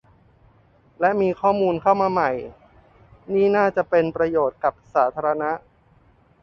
และมีข้อมูลเข้ามาใหม่ที่น่าจะเป็นประโยชน์กับสาธารณะ